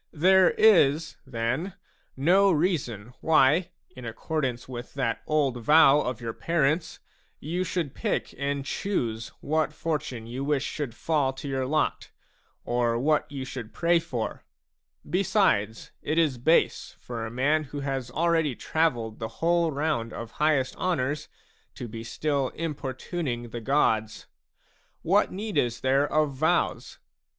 There js, then, no reason why, in accordance with that old vow of your parents, you should pick and choose what fortune you wish should fall to your lot, or what you should pray for ; besides, it is base for a man who has already travelled the whole round of highest honours to be still importuning the gods. What need is there of vows